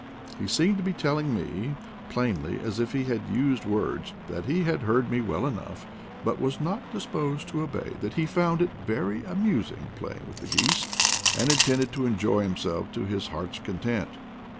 He seemed to be telling me, plainly as if he had used words, that he heard me well enough, but was not disposed to obey, that he found it very amus A DOG IN EXILE 69 ing playing with the geese and intended to enjoy himself to his heart's content.